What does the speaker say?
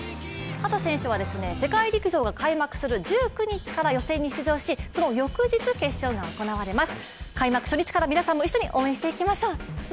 秦選手は世界陸上が開幕する１９日から予選に出場しその翌日、決勝が行われます。